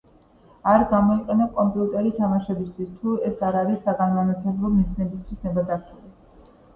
არ გამოიყენო კომპიუტერი თამაშებისთვის, თუ ეს არ არის საგანმანათლებლო მიზნებისთვის ნებადართული.